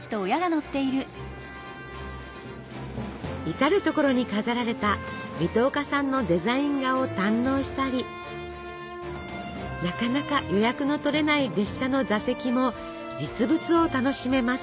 至る所に飾られた水戸岡さんのデザイン画を堪能したりなかなか予約の取れない列車の座席も実物を楽しめます。